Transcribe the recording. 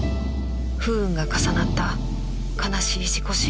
不運が重なった悲しい事故死